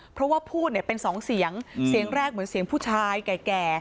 เพราะว่าพูดเนี่ยเป็นสองเสียงเสียงแรกเหมือนเสียงผู้ชายแก่